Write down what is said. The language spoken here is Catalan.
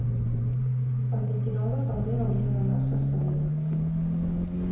El vint-i-nou de febrer hauria d'anar a Ses Salines.